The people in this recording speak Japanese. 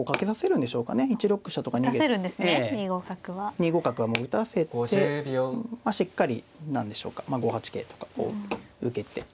２五角はもう打たせてしっかり何でしょうか５八桂とかこう受けて。